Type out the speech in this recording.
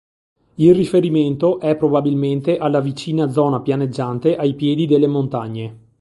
Il riferimento è probabilmente alla vicina zona pianeggiante ai piedi delle montagne.